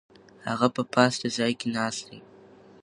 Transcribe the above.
هغه په پاسته ځای کې ناست دی.